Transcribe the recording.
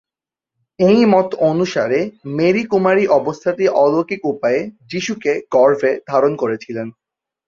এই মত অনুসারে, মেরি কুমারী অবস্থাতেই অলৌকিক উপায়ে যিশুকে গর্ভে ধারণ করেছিলেন।